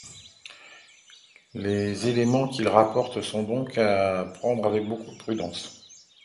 Les éléments qu'il rapporte sont donc à prendre avec beaucoup de prudence.